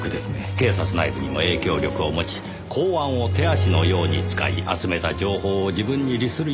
警察内部にも影響力を持ち公安を手足のように使い集めた情報を自分に利するように使う。